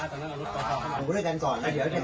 หลงหลงหลง